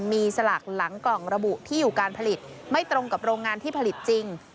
มีสลากหลังกล่องระบุที่อยู่การผลิตไม่ตรงกับโรงงานที่ผลิตจริง